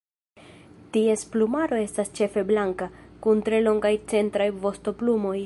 Ties plumaro estas ĉefe blanka, kun tre longaj centraj vostoplumoj.